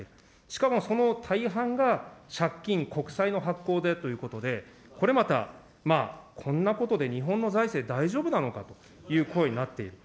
しかもその大半が借金、国債の発行でということで、これまた、まあ、こんなことで日本の財政、大丈夫なのかという声になっている。